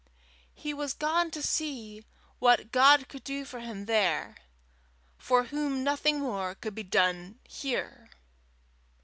He was gone to see what God could do for him there, for whom nothing more could be done here.